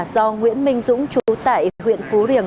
do nguyễn minh dũng trú tại huyện phú riềng